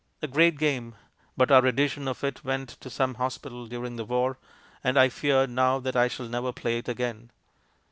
A great game. But our edition of it went to some hospital during the war, and I fear now that I shall never play it again.